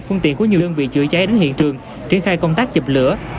phương tiện của nhiều đơn vị chữa cháy đến hiện trường triển khai công tác dập lửa